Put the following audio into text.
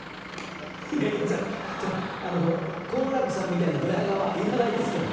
いやいやそれそれ好楽さんみたいなどや顔はいらないですから。